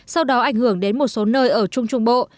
sau đó ảnh hưởng đến một số nơi ở trung trung bộ